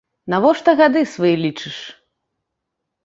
Навошта гады свае лічыш?